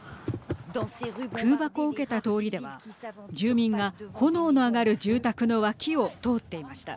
空爆を受けた通りでは住民が炎の上がる住宅の脇を通っていました。